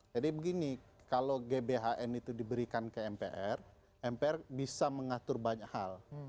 jadi begini kalau gbhn itu diberikan ke mpr mpr bisa mengatur banyak hal